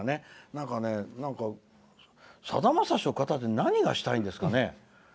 なんかね、さだまさしをかたって何がしたいんですかね。